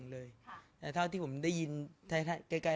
สงฆาตเจริญสงฆาตเจริญ